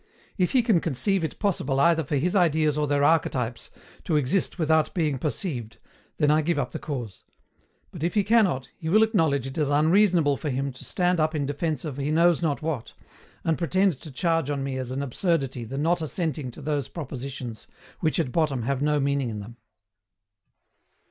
If he can conceive it possible either for his ideas or their archetypes to exist without being perceived, then I give up the cause; but if he cannot, he will acknowledge it is unreasonable for him to stand up in defence of he knows not what, and pretend to charge on me as an absurdity the not assenting to those propositions which at bottom have no meaning in them.